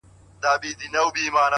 دا ځلي غواړم لېونی سم د هغې مینه کي ـ